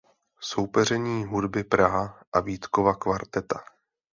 Soupeření Hudby Praha a Vítkova kvarteta.